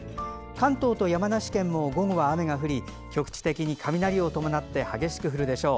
関東や山梨県も雨が降り、局地的に雷を伴って激しく降るでしょう。